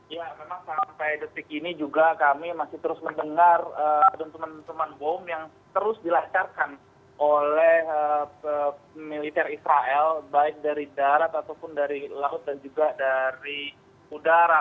ya memang sampai detik ini juga kami masih terus mendengar dentuman dentuman bom yang terus dilancarkan oleh militer israel baik dari darat ataupun dari laut dan juga dari udara